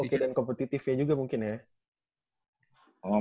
oke dan kompetitifnya juga mungkin ya